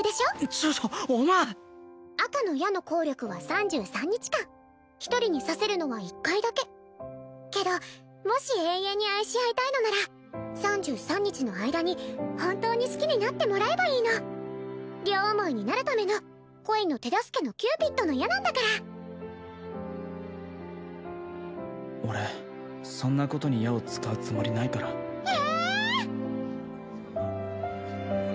ちょっとおまっ赤の矢の効力は３３日間１人に刺せるのは一回だけけどもし永遠に愛し合いたいのなら３３日の間に本当に好きになってもらえばいいの両思いになるための恋の手助けのキューピッドの矢なんだから俺そんなことに矢を使うつもりないからえ！？